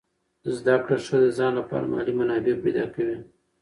زده کړه ښځه د ځان لپاره مالي منابع پیدا کوي.